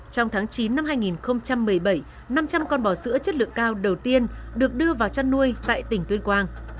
trong tháng chín năm hai nghìn một mươi bảy năm trăm linh con bò sữa chất lượng cao đầu tiên được đưa vào chăn nuôi tại tỉnh tuyên quang